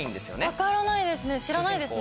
分からないです